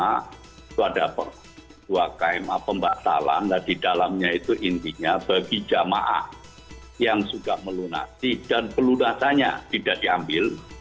itu ada dua kma pembatalan dan di dalamnya itu intinya bagi jamaah yang sudah melunasi dan pelunasannya tidak diambil